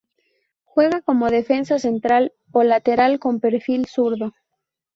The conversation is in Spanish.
Juega como defensa central o lateral con perfil zurdo.